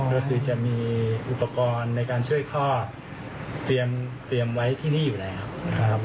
ก็คือจะมีอุปกรณ์ในการช่วยคลอดเตรียมไว้ที่นี่อยู่แล้วนะครับ